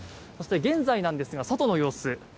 そして現在なんですが外の様子